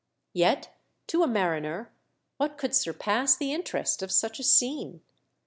Vet, to a mariner, what could surpass the Interest of such a scene ?